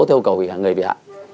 theo cầu người bị hại